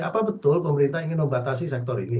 apa betul pemerintah ingin membatasi sektor ini